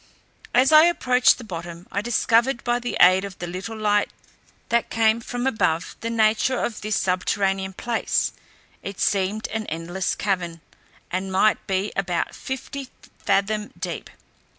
As I approached the bottom, I discovered by the aid of the little light that came from above the nature of this subterranean place, it seemed an endless cavern, and might be about fifty fathom deep.